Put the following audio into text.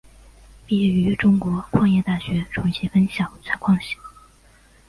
毕业于中国矿业大学重庆分校采矿系。